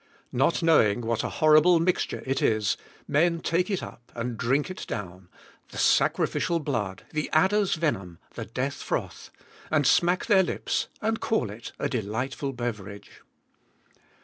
Not knowing what a horrible mixture it is, men take it up and drink it down the sacrificial blood, the adder's venom, the death froth and smack their lips and call it a delightful beverage.